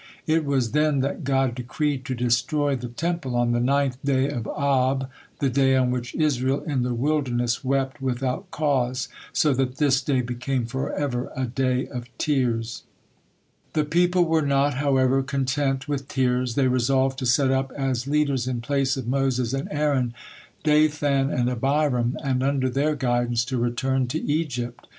It was then that God decreed to destroy the Temple on the ninth day of Ab, the day on which Israel in the wilderness wept without cause, so that this day became forever a day of tears. The people were not, however, content with tears, they resolved to set up as leaders in place of Moses and Aaron, Dathan and Abiram, and under their guidance to return to Egypt.